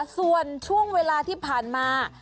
ส่วนช่วงเวลาที่ผ่านมา